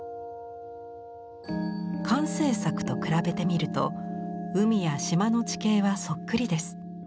完成作と比べてみると海や島の地形はそっくりです。